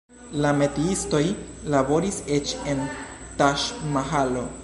La metiistoj laboris eĉ en Taĝ-Mahalo.